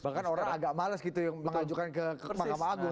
bahkan orang agak males gitu yang mengajukan ke mahkamah agung